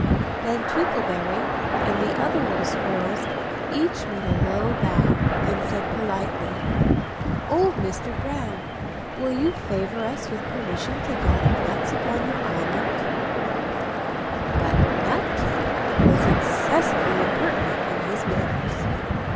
Then Twinkleberry and the other little squirrels each made a low bow, and said politely "Old Mr. Brown, will you favour us with permission to gather nuts upon your island?" But Nutkin was excessively impertinent in his manners.